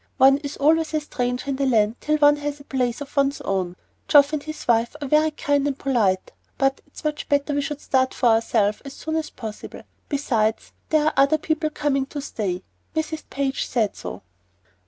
One is always a stranger in the land till one has a place of one's own. Geoff and his wife are very kind and polite, but it's much better we should start for ourselves as soon as possible. Besides, there are other people coming to stay; Mrs. Page said so."